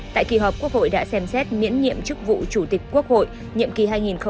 tại kỳ họp quốc hội đã xem xét miễn nhiệm chức vụ chủ tịch quốc hội nhiệm kỳ hai nghìn hai mươi một hai nghìn hai mươi một